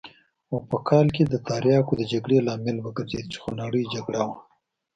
او په کال کې د تریاکو د جګړې لامل وګرځېد چې خونړۍ جګړه وه.